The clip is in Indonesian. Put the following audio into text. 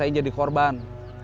rasa ini jadi korban